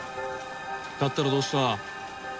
だったらどうした？